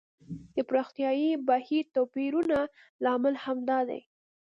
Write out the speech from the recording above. د پراختیايي بهیر توپیرونه لامل همدا دی.